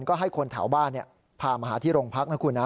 ก็ให้คนแถวบ้านพามาหาที่โรงพักนะคุณนะ